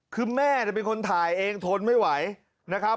คือแม่เป็นคนถ่ายเองทนไม่ไหวนะครับ